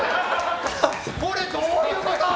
これ、どういうこと？